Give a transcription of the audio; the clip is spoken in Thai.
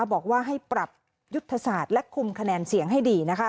บอกว่าให้ปรับยุทธศาสตร์และคุมคะแนนเสียงให้ดี